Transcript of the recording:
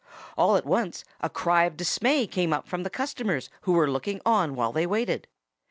All at once a cry of dismay came from the customers who were looking on while they waited.